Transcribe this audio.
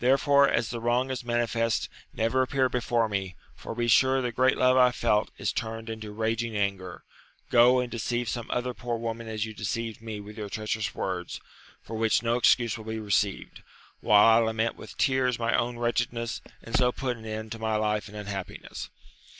Therefore, as the wrong is manifest, never appear before me ! for be sure the great love I felt is turned into raging anger. Go, and deceive some other poor woman as you deceived me with your, treacherous words, for which no excuse will be received, while I lament with tears my own wretchedness, and so put an end to my life and un happiness.